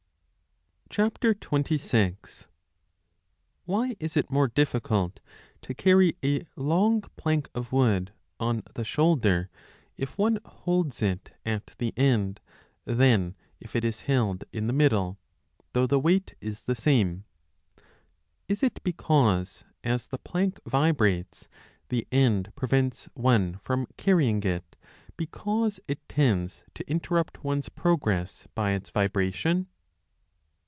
] 5 WHY is it more difficult to carry a long plank of wood on 26 the shoulder if one holds it at the end than if it is held in the middle, though the weight is the same ? Is it because, as the plank vibrates, the end prevents one from carrying it, because it tends to interrupt one s progress by its vibration